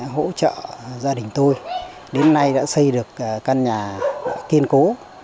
hỗ trợ gia đình tôi đến nay đã xây được căn nhà kiên cố